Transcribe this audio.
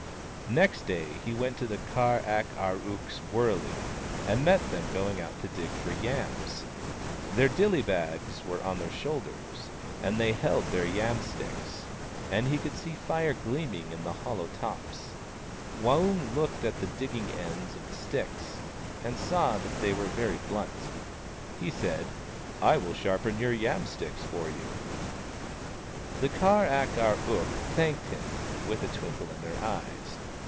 Next day he went to the Kar ak ar ook's wur ley, and met them going out to dig for yams. Their dilly bags were on their shoulders ; and they held their yam sticks, and he could see Fire gleaming in the hollow tops. Waung looked at the digging ends of the sticks, and saw that they were very blunt. He said : "I will sharpen your yam sticks for you." The Kar ak ar ook thanked him, with a twinkle in their eyes.